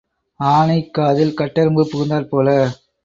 ஆனை காதில் கட்டெறும்பு புகுந்தாற் போல.